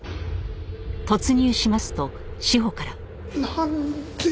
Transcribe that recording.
なんで！